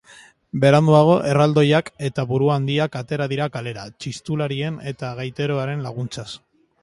Beranduago, erraldoiak eta buruhandiak atera dira kalera, txistularien eta gaiteroen laguntzaz.